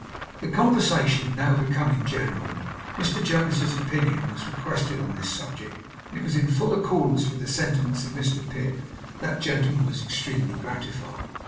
The conversation now becoming general, Mr Jonas's opinion was requested on this subject; and as it was in full accordance with the sentiments of Mr Pip, that gentleman was extremely gratified.